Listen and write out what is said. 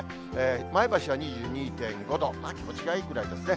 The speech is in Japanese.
前橋は２２．５度、気持ちがいいくらいですね。